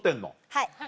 はい。